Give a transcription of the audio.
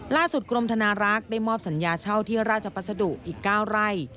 กรมธนารักษ์ได้มอบสัญญาเช่าที่ราชพัสดุอีก๙ไร่